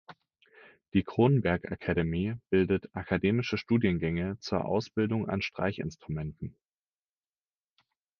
Die Kronberg Academy bildet akademische Studiengänge zur Ausbildung an Streichinstrumenten.